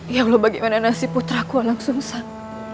ya allah bagaimana nasib putraku walang sungsang